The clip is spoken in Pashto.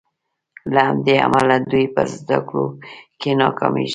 له همدې امله دوی په زدکړو کې ناکامیږي.